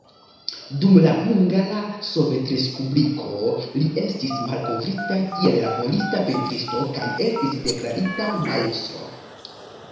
Dum la Hungara Sovetrespubliko li estis malkovrita, kiel laborista pentristo kaj estis deklarita majstro.